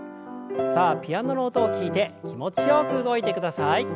さあピアノの音を聞いて気持ちよく動いてください。